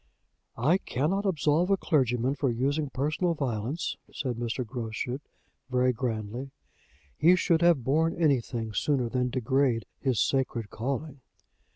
"I cannot absolve a clergyman for using personal violence," said Mr. Groschut, very grandly. "He should have borne anything sooner than degrade his sacred calling."